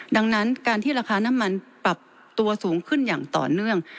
ดังนั้นการที่ราคาน้ำมันปรับตัวสูงขึ้นอย่างต่อเนื่อง